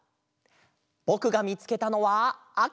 ぼくがみつけたのはあか！